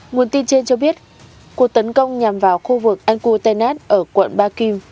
nguồn tin trên cho biết cuộc tấn công nhằm vào khu vực al qutanat ở quận baku